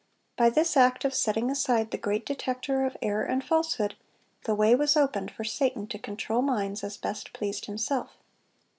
By this act of setting aside the great detector of error and falsehood, the way was opened for Satan to control minds as best pleased himself.